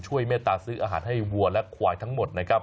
เมตตาซื้ออาหารให้วัวและควายทั้งหมดนะครับ